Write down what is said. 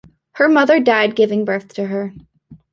Her mother died giving birth to her.